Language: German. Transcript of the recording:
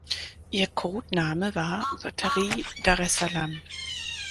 Ihr Codename war „Batterie Daressalam“.